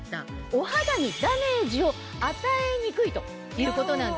お肌にダメージを与えにくいということなんですね。